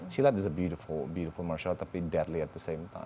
silat adalah musisi yang indah tapi juga menderita